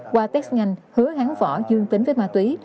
qua test nhanh hứa hán võ dương tính với ma túy